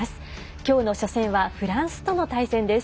きょうの初戦はフランスとの対戦です。